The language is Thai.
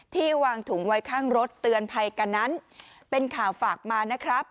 ที่วางถุงไว้ข้างรถเตือนภัยกันนั้นเป็นข่าวฝากมานะครับ